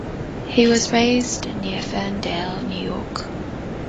He was raised near Ferndale, New York.